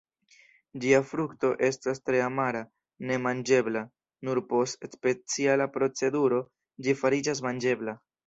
Ĝia frukto estas tre amara, ne manĝebla, nur post speciala proceduro ĝi fariĝas manĝebla.